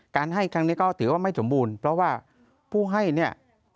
ให้ครั้งนี้ก็ถือว่าไม่สมบูรณ์เพราะว่าผู้ให้เนี่ย